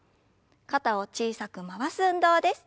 肩を小さく回す運動です。